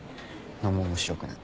何も面白くない。